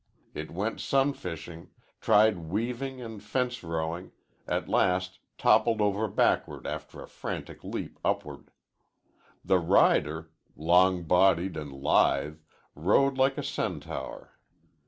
It went sunfishing, tried weaving and fence rowing, at last toppled over backward after a frantic leap upward. The rider, long bodied and lithe, rode like a centaur.